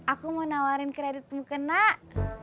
aku mau nawarin kreditmu ke nak